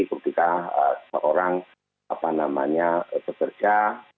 ketika seorang pekerja